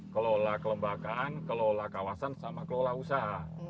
kelola kelembagaan kelola kawasan sama kelola usaha